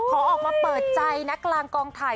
ออกมาเปิดใจนะกลางกองถ่าย